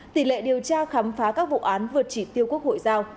tỷ lệ điều tra khám phá các vụ án vượt chỉ tiêu quốc hội giao